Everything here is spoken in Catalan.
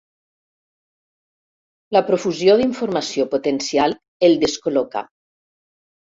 La profusió d'informació potencial el descol·loca.